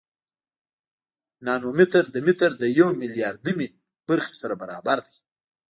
ناتو متر د متر د یو میلیاردمه برخې سره برابر دی.